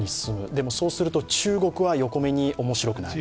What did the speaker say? でもそうすると中国は横目におもしろくない？